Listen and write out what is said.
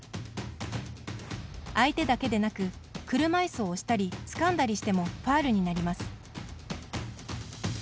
相手だけでなく、車いすを押したり、つかんだりしてもファウルになります。